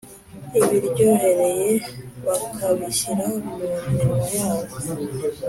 ibiryohereye bakabishyira mu minwa yabo